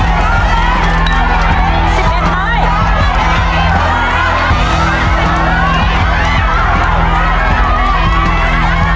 ใครถูกไหมโจทย์ซีฟู้ดเป็นลูกหนึ่ง